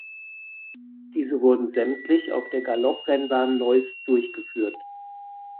Diese wurden sämtlich auf der Galopprennbahn Neuss durchgeführt.